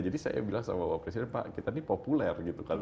jadi saya bilang sama pak presiden pak kita ini populer gitu kan